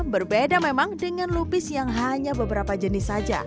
berbeda memang dengan lupis yang hanya beberapa jenis saja